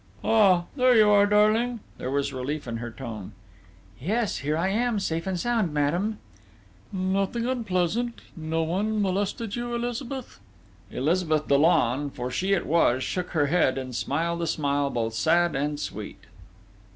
"Ah, there you are, darling." There was relief in her tone. "Yes, here I am, safe and sound, madame!" "Nothing unpleasant no one molested you, Elizabeth?" Elizabeth Dollon, for she it was, shook her head and smiled a smile both sad and sweet.